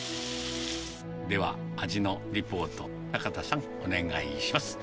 では味のリポート、坂田さん、お願いします。